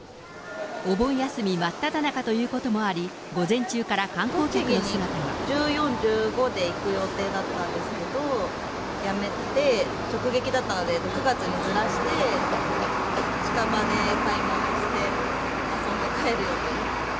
お盆休み真っただ中ということもあり、栃木に１４、１５で行く予定だったんですけど、やめて、直撃だったので、９月にずらして、近場で買い物して、遊んで帰る予定です。